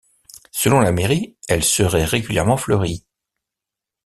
Selon la mairie, elle serait régulièrement fleurie.